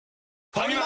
ファミマ！